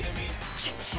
ちっ！